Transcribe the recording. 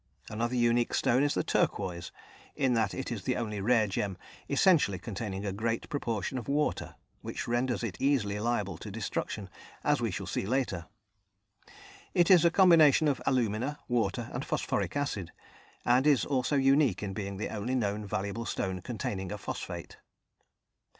Another unique stone is the turquoise, in that it is the only rare gem essentially containing a great proportion of water, which renders it easily liable to destruction, as we shall see later. It is a combination of alumina, water, and phosphoric acid, and is also unique in being the only known valuable stone containing a phosphate.